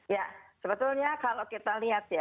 ya sebetulnya kalau kita lihat ya